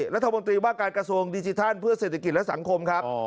รัฐมนตรีว่าการกระทรวงดิจิทัลเพื่อเศรษฐกิจและสังคมครับ